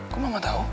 kok mama tau